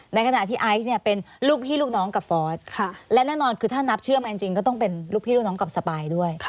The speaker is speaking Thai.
ในขณะที่ไอซ์เนี่ยเป็นลูกพี่ลูกน้องกับฟอสและแน่นอนคือถ้านับเชื่อมกันจริงก็ต้องเป็นลูกพี่ลูกน้องกับสปายด้วย